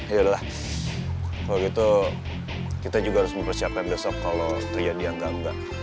ya udah lah kalau gitu kita juga harus mempersiapkan besok kalau terjadi yang enggak enggak